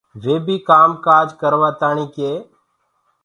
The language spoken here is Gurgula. وي بيٚ ڪآم ڪآج ڪروآݪآ ڪي